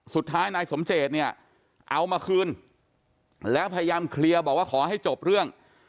สุดท้ายนายสมเจตเนี่ยเอามาคืนแล้วพยายามเคลียร์บอกว่าขอให้จบเรื่อง